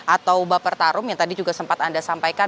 atau baper tarum yang tadi juga sempat anda sampaikan